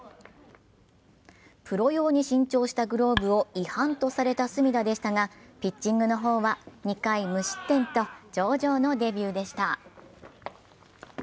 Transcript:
プロ用に新調したグローブを違反とされた隅田でしたが、ピッチングの方は２回無失点と上々のデビューでした。